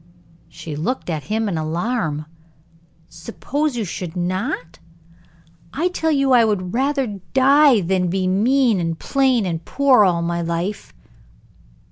She looked at him in alarm. "Suppose you should not? I tell you I would rather die than be mean, and plain, and poor, all my life."